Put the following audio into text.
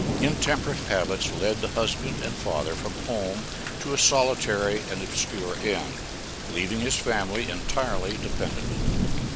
Intemperate habits led the husband and father from home to a solitary and obscure end, leaving his family entirely dependent.